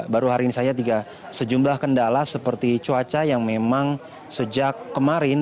baru hari ini saja sejumlah kendala seperti cuaca yang memang sejak kemarin